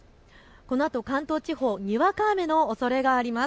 このあと関東地方、にわか雨のおそれがあります。